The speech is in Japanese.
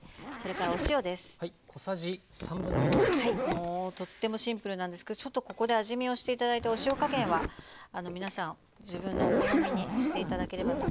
もうとってもシンプルなんですけどちょっとここで味見をして頂いてお塩加減は皆さん自分のお好みにして頂ければと思います。